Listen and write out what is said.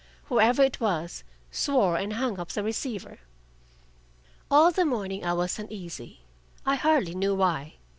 Whoever it was swore and hung up the receiver. All the morning I was uneasy I hardly knew why.